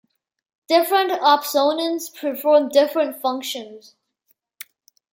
Different opsonins perform different functions.